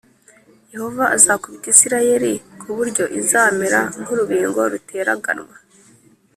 Yehova azakubita Isirayeli ku buryo izamera nk urubingo ruteraganwa